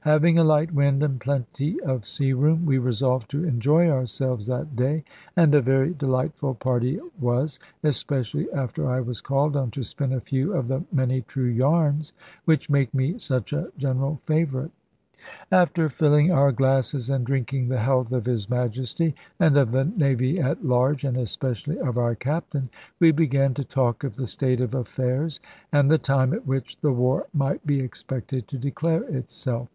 Having a light wind and plenty of sea room, we resolved to enjoy ourselves that day; and a very delightful party it was, especially after I was called on to spin a few of the many true yarns which make me such a general favourite. After filling our glasses and drinking the health of his Majesty, and of the Navy at large, and especially of our Captain, we began to talk of the state of affairs and the time at which the war might be expected to declare itself.